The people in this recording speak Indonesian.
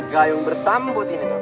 gayung bersambut ini tuh roman